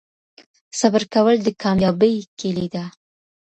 صبر کول د کامیابۍ کیلي ده.